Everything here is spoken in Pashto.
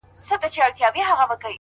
گراني شاعري زه هم داسي يمه؛